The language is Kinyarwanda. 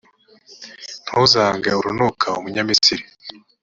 ntuzange urunuka umunyamisiri,